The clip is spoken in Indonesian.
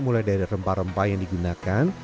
mulai dari rempah rempah yang digunakan